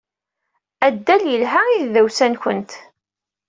Addal yelha i tdawsa-nwent.